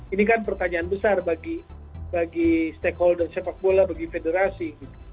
ini kan pertanyaan besar bagi stakeholder sepak bola bagi federasi